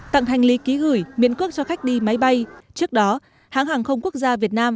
tặng hành lý ký gửi miễn cước cho khách đi máy bay trước đó hãng hàng không quốc gia việt nam